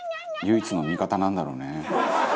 唯一の味方なんだろうね。